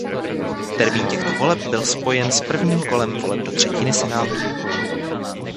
Termín těchto voleb byl spojen s prvním kolem voleb do třetiny Senátu.